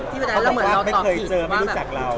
เขาบอกว่าไม่เคยเจอไม่รู้จักเรา